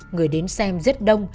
người đến xem rất đông